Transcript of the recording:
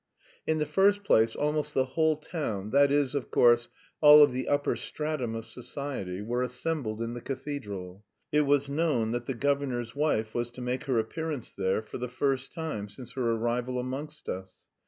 In the first place almost the whole town, that is, of course, all of the upper stratum of society, were assembled in the cathedral. It was known that the governor's wife was to make her appearance there for the first time since her arrival amongst us.